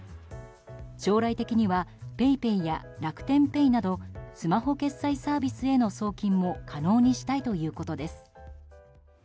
将来的にはＰａｙＰａｙや楽天ペイなどスマホ決済サービスへの送金も可能にしたいということです。